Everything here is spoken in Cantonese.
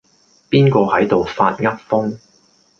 邊個係度發噏風